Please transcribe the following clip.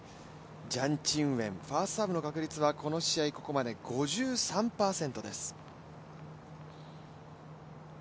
ジャン・チンウェン、ファーストサーブの確率はこの試合、ここまで５３％です。